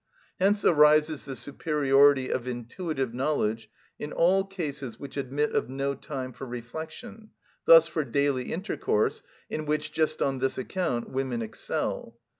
Hence arises the superiority of intuitive knowledge in all cases which admit of no time for reflection; thus for daily intercourse, in which, just on this account, women excel.